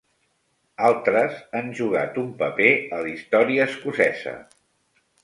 Altres han jugat un paper a l'història escocesa.